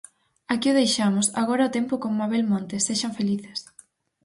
Aquí o deixamos, agora o tempo con Mabel Montes, sexan felices.